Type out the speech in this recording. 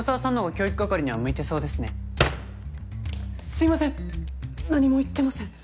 すいません何も言ってません。